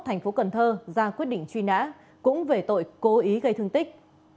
thành phố cần thơ ra quyết định truy nã cũng về tội cố ý gây thương tích